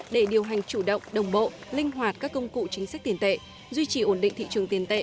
để điều hành chủ động đồng bộ linh hoạt các công cụ chính sách tiền tệ duy trì ổn định thị trường tiền tệ